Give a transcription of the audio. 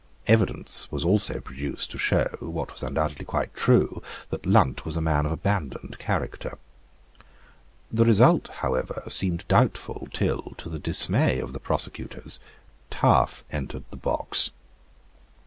Evidence was also produced to show, what was undoubtedly quite true, that Lunt was a man of abandoned character. The result however seemed doubtful till, to the dismay of the prosecutors, Taaffe entered the box.